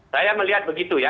saya melihat begitu ya